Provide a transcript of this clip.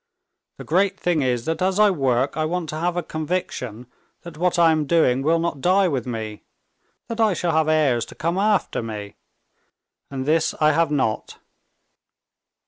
"The great thing is that as I work I want to have a conviction that what I am doing will not die with me, that I shall have heirs to come after me,—and this I have not.